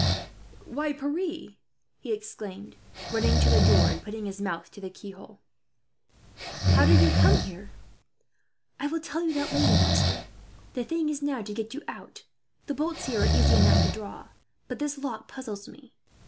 "Why, Pierre!" he exclaimed, running to the door and putting his mouth to the keyhole; "how did you come here?" "I will tell you that later, master. The thing is now to get you out. The bolts here are easy enough to draw, but this lock puzzles me.